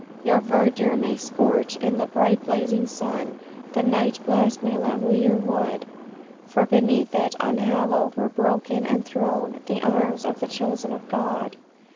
Your verdure may scorch in the bright blazing sun, The night blast may level your wood; For beneath it, unhallowed, were broken and thrown The arms of the chosen of God.